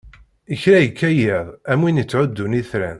Kra ikka yiḍ, am win ittɛuddun itran.